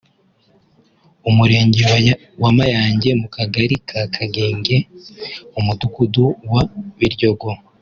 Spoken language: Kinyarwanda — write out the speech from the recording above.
umurenge wa Mayange mu kagali ka Kagenge umudugudu wa Biryogo